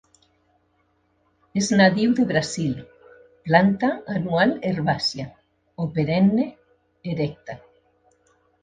És nadiu de Brasil. Planta anual herbàcia, o perenne; erecta.